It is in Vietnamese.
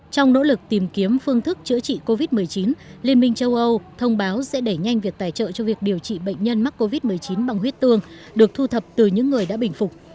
trong nỗ lực tìm kiếm phương thức chữa trị covid một mươi chín liên minh châu âu thông báo sẽ đẩy nhanh việc tài trợ cho việc điều trị bệnh nhân mắc covid một mươi chín bằng huyết tương được thu thập từ những người đã bình phục